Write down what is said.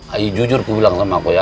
ayu jujur aku bilang sama kau ya